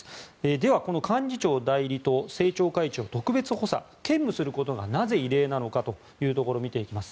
では、この幹事長代理と政調会長特別補佐兼務することがなぜ異例なのかというところを見ていきます。